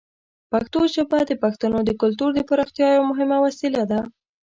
پښتو ژبه د پښتنو د کلتور د پراختیا یوه مهمه وسیله ده.